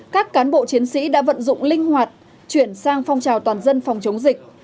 các cán bộ chiến sĩ đã vận dụng linh hoạt chuyển sang phong trào toàn dân phòng chống dịch